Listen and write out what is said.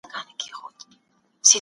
نظامي کودتاګانو زموږ ولسواکي زندۍ کړه.